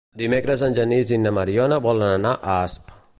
Dimecres en Genís i na Mariona volen anar a Asp.